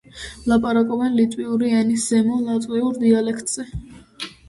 ლაპარაკობენ ლატვიური ენის ზემო ლატვიურ დიალექტზე.